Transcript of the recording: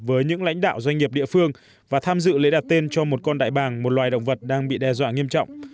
với những lãnh đạo doanh nghiệp địa phương và tham dự lễ đặt tên cho một con đại bàng một loài động vật đang bị đe dọa nghiêm trọng